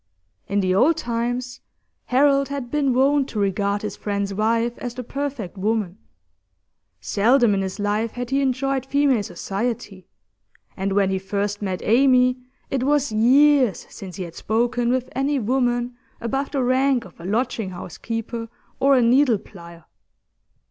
In the old times, Harold had been wont to regard his friend's wife as the perfect woman; seldom in his life had he enjoyed female society, and when he first met Amy it was years since he had spoken with any woman above the rank of a lodging house keeper or a needle plier.